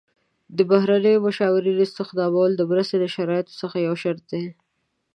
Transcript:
د بهرنیو مشاورینو استخدامول د مرستو د شرایطو څخه یو شرط دی.